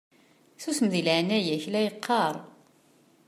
Susem deg leɛnaya-k la yeqqaṛ!